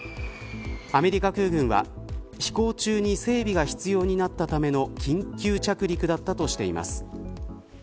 アメリカ空軍は飛行中に整備が必要になったための緊急着陸だったとしています。